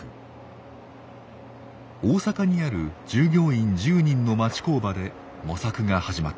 大阪にある従業員１０人の町工場で模索が始まっています。